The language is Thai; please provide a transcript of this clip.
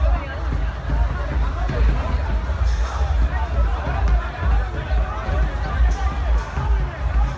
กอลวิทย์นี้ก็ปีนอีนพื้นเส้นจู๊ด